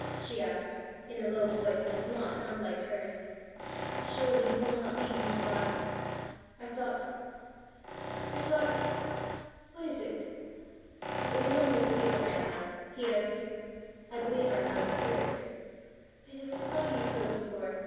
she asked, in a low voice that did not sound like hers. "Surely you will not leave me while . I thought I thought . What is it?" "It is only a feeling I have," he answered. "I believe I am out of spirits." "I never saw you so before!"